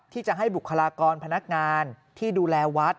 ที่จะให้บุคลากรพนักงานที่ดูแลวัด